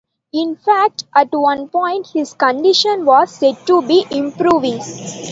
In fact, at one point his condition was said to be improving.